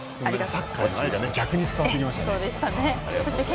サッカーへの愛が逆に伝わってきました。